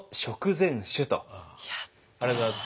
ありがとうございます。